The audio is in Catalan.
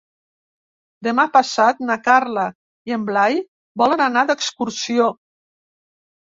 Demà passat na Carla i en Blai volen anar d'excursió.